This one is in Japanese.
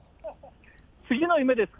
次の夢ですか。